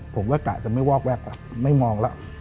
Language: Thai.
ผมก็กลับจะไม่วอกแวกไม่มองละ